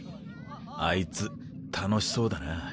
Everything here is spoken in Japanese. あいつ楽しそうだな。